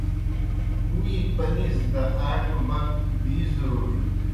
می پنِیز دہ آ ٹُبک بِی زِرونیْ۔